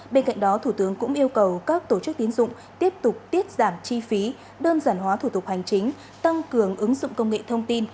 bên cạnh đó thủ tướng cũng yêu cầu các tổ chức tín dụng tiếp tục tiết giảm chi phí đơn giản hóa thủ tục hành chính tăng cường ứng dụng công nghệ thông tin